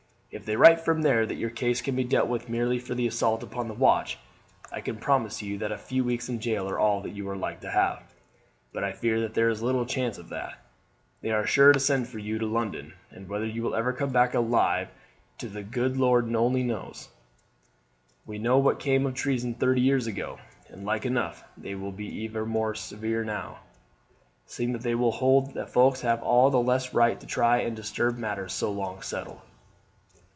If they write from there that your case can be dealt with merely for the assault upon the watch I can promise you that a few weeks in jail are all that you are like to have; but I fear that there is little chance of that. They are sure to send for you to London, and whether you will ever come back alive the gude Lord only knows. We know what came of treason thirty years ago, and like enough they will be even more severe now, seeing that they will hold that folks have all the less right to try and disturb matters so long settled."